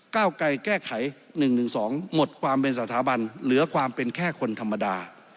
เก้าไกรแก้ไข๑๑๒หมดความเป็นสถาบันเหลือความเป็นแค่คนธรรมดา